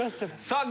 さあ！